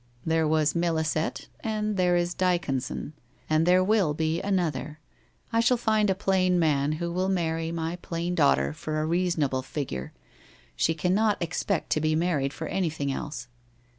'' There was Miliiset, and there is Dyconson, and there will be another. I shall find a plain man who will marry 108 WHITE ROSE OF WEARY LEAF my plain daughter for a reasonable figure. She cannot oxpect to be married for anything else.'